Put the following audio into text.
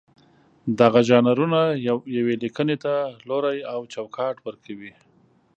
دغه ژانرونه یوې لیکنې ته لوری او چوکاټ ورکوي.